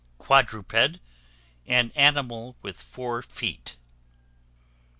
Quadruped, an animal with four feet.